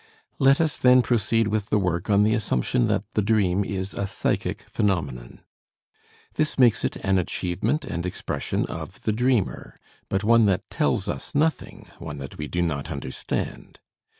Let us then proceed with the work on the assumption that the dream is a psychic phenomenon. This makes it an achievement and expression of the dreamer, but one that tells us nothing, one that we do not understand.